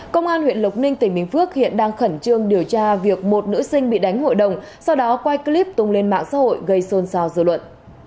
công an huyện lộc ninh tỉnh bình phước hiện đang khẩn trương điều tra việc một nữ sinh bị đánh hội đồng sau đó quay clip tung lên mạng xã hội gây xôn xào dư luận